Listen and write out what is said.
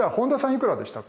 いくらでしたか？